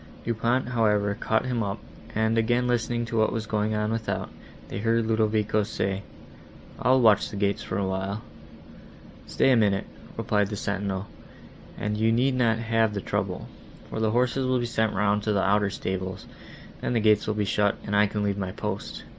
Du Pont, however, caught him up, and, again listening to what was going on without, they heard Ludovico say, "I'll watch the gates the while." "Stay a minute," replied the sentinel, "and you need not have the trouble, for the horses will be sent round to the outer stables, then the gates will be shut, and I can leave my post."